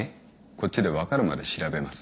こっちで分かるまで調べます。